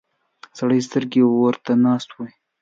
سرې سترګې ورته ناست وي.